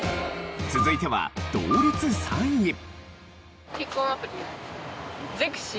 続いては同率３位。